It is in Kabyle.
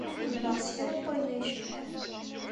Ḥemmleɣ s kra n wayen ay icebḥen.